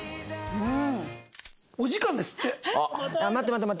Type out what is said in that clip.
うん。